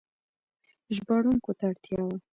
ژباړونکو ته اړتیا وه.